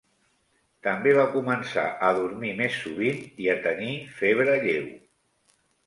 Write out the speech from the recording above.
També va començar a dormir més sovint i a tenir febre lleu.